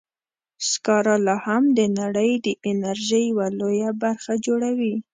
سکاره لا هم د نړۍ د انرژۍ یوه لویه برخه جوړوي.